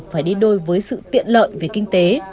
phải đi đôi với sự tiện lợi về kinh tế